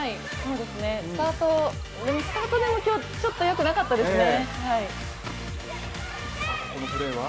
スタート、今日ちょっとよくなかったですね。